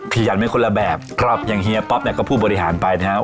ขยันไปคนละแบบครับอย่างเฮียป๊อปเนี่ยก็ผู้บริหารไปนะครับ